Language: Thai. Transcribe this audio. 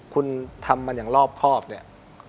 คุณทำมันอย่างรอบครอบเนี่ย